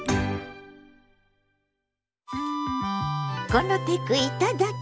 「このテクいただき！